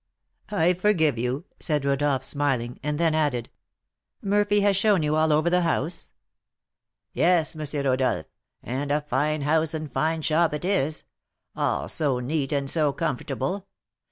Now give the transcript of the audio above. "I forgive you," said Rodolph, smiling; and then added, "Murphy has shown you all over the house?" "Yes, M. Rodolph; and a fine house and fine shop it is, all so neat and so comfortable!